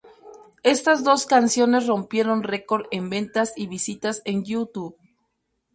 Estas dos canciones rompieron record en ventas y visitas en YouTube.